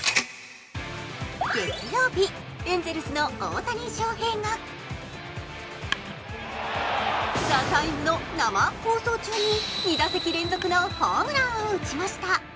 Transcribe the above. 月曜日、エンゼルスの大谷翔平が「ＴＨＥＴＩＭＥ，」の生放送中に２打席連続のホームランを打ちました。